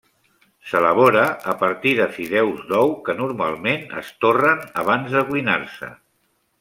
S'elabora a partir de fideus d'ou que normalment es torren abans de cuinar-se.